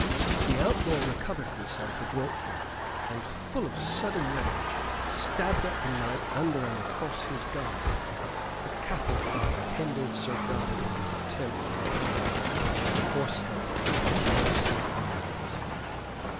The outlaw recovered himself adroitly; and, full of sudden rage, stabbed at the knight under and across his guard. The capul hide hindered Sir Guy in his attempt at a parry the horse head fell across his eyes.